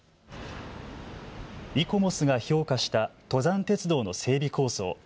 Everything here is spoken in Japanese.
イコモスが評価した登山鉄道の整備構想。